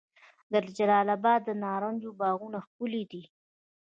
د جلال اباد د نارنج باغونه ښکلي دي.